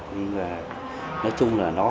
nhưng mà nói chung là nó